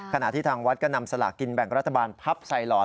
ขณะที่ทางวัดก็นำสลากกินแบ่งรัฐบาลพับใส่หลอด